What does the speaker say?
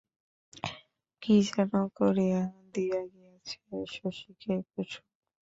কী যেন করিয়া দিয়া গিয়াছে শশীকে কুসুম।